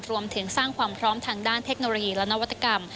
รวมถึงสร้างความพร้อมทางด้านเทคโนโลยีและนวัตกรรม